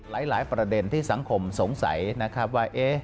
หลายประเด็นที่สังคมสงสัยว่า